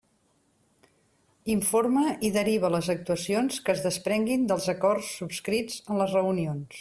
Informa i deriva les actuacions que es desprenguin dels acords subscrits en les reunions.